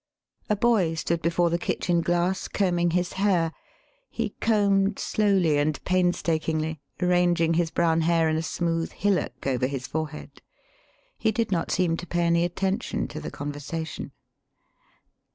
A boy stood before the kitchen glass combing his hair. [He combed slowly and painstakingly, arranging his brown hair in a smooth hillock over his forehead. He did not seem to pay any attention to the conversation.